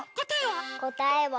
こたえは？